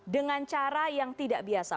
dengan cara yang tidak biasa